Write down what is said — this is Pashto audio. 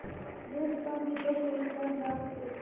مېز باندې دوه پوځیان ناست و.